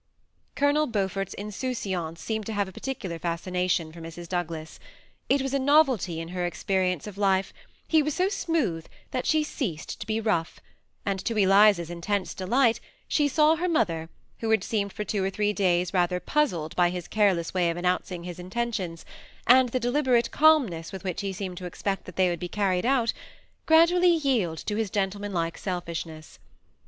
Colonel Beaufort's tnsoticiance seemed to have a pe culiar fiiscination for Mrs. Douglas. It was a novelty in her experience of life ; he was so smooth, that she ceased to be rough ; and to Eliza's intense delight, she saw her mother, who had seemed for two or three days rather puzzled by his careless way of announcing his intentions, and the deliberate calmness with which he seemed to expect they would be carried out, gradually yield to his gentlemanlike selfishness.